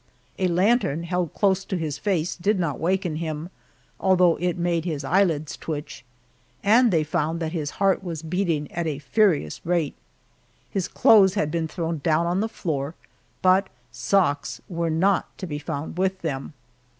A lantern held close to his face did not waken him, although it made his eyelids twitch, and they found that his heart was beating at a furious rate. His clothes had been thrown down on the floor, but socks were not to be found with them.